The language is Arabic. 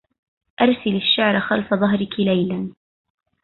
أرسلي الشعر خلف ظهرك ليلا